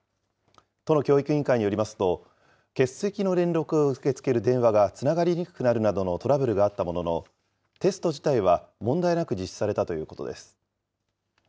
都の教育委員会によりますと、欠席の連絡を受け付ける電話がつながりにくくなるなどのトラブルがあったものの、テスト自体は問題なく実施されたということです。